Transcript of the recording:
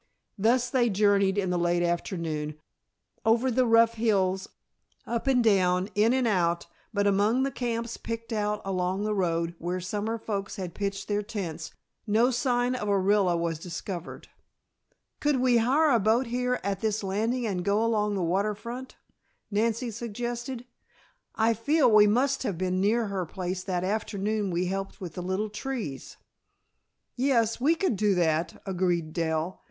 Thus they journeyed in the late afternoon, over the rough hills, up and down, in and out, but among the camps picked out along the road, where summer folks had pitched their tents, no sign of Orilla was discovered. "Could we hire a boat here at this landing and go along the water front?" Nancy suggested. "I feel we must have been near her place that afternoon we helped with the little trees." "Yes, we could do that," agreed Dell.